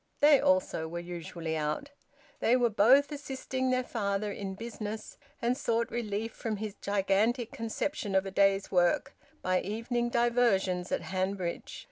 They also were usually out. They were both assisting their father in business, and sought relief from his gigantic conception of a day's work by evening diversions at Hanbridge.